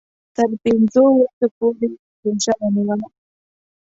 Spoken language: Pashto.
تر پنځو ورځو پوري یې روژه ونیوله.